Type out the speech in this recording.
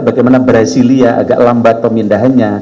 bagaimana brasilia agak lambat pemindahannya